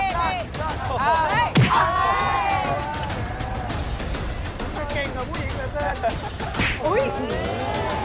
ไม่เก่งหรอกฟูเงิน